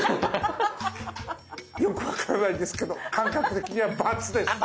よく分からないですけど感覚的にはバツです。